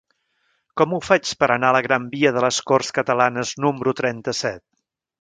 Com ho faig per anar a la gran via de les Corts Catalanes número trenta-set?